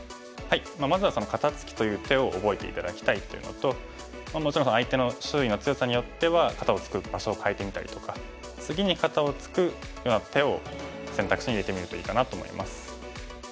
まずは肩ツキという手を覚えて頂きたいというのともちろん相手の周囲の強さによっては肩をツク場所を変えてみたりとか次に肩をツクような手を選択肢に入れてみるといいかなと思います。